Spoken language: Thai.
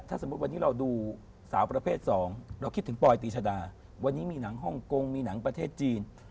ถ้าสมมุติวันนี้เราดูสาวประเภทสองเราคิดถึงปอยตีชดาวันนี้มีหนังฮ่องกงมีหนังประเทศจีน